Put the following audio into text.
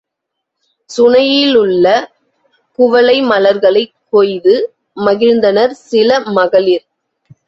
சுனையிலுள்ள குவளை மலர்களைக் கொய்து மகிழ்ந்தனர் சில மகளிர்.